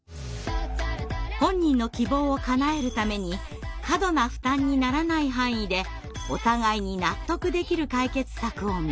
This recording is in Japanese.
本人の希望をかなえるために過度な負担にならない範囲でお互いに納得できる解決策を見つける。